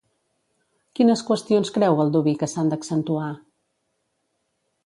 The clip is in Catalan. Quines qüestions creu Baldoví que s'han d'accentuar?